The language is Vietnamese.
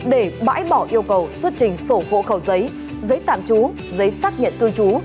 để bãi bỏ yêu cầu xuất trình sổ hộ khẩu giấy giấy tạm trú giấy xác nhận cư trú